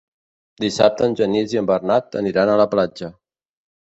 Dissabte en Genís i en Bernat aniran a la platja.